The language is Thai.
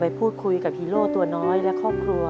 ที่ได้เงินเพื่อจะเก็บเงินมาสร้างบ้านให้ดีกว่า